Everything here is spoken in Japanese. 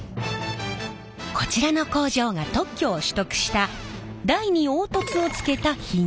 こちらの工場が特許を取得した台に凹凸をつけたヒゲ台。